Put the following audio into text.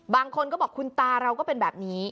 บางคนก็บอกคุณตาเราก็เป็นแบบนี้